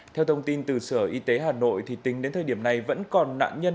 theo thông tin từ sở y tế hà nội tính đến thời điểm này vẫn còn nạn nhân